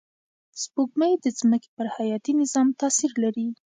سپوږمۍ د ځمکې پر حیاتي نظام تأثیر لري